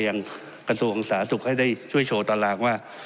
อย่างกระทรวงสาธารณสุขให้ได้ช่วยโชว์ตารางว่า